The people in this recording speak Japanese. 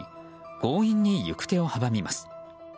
強引に行く手を阻みます。